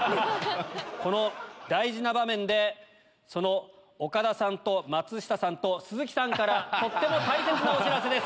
この大事な場面で岡田さんと松下さんと鈴木さんからとっても大切なお知らせです！